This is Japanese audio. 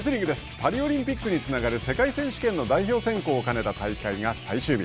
パリオリンピックにつながる世界選手権の代表選考を兼ねた大会が最終日。